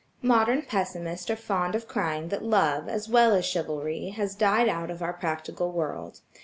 Modern pessimists are fond of crying that love, as well as chivalry, has died out of our practical world.